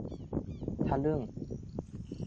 ทะลึ่ง